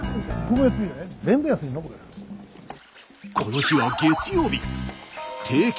この日は月曜日。